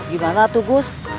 gimana atu gust